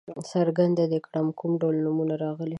څرګنده دې کړي کوم ډول نومونه راغلي.